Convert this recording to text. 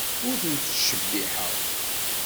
Ur ten-ttcebbiḥeɣ.